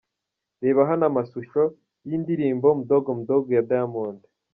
Reba hano amasusho y'indirimbo Mdogo Mdogo ya Diamond.